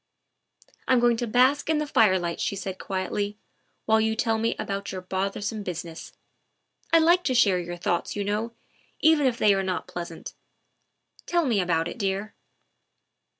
" I 'm going to bask in the firelight, '' she said quietly, " while you tell me all about your bothersome business. I like to share your thoughts, you know, even if they are not very pleasant. Tell me all about it, dear."